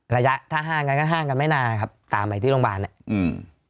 ระยะถ้าห้างกันก็ห้างกันไม่นานครับตามไปที่โรงพยาบาลเนี้ยอืม